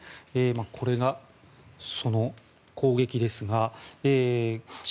これが、その攻撃ですが地